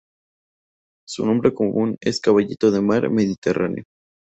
Su nombre común es Caballito de mar mediterráneo.